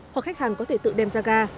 hoặc khách hàng có thể tự đem ra ga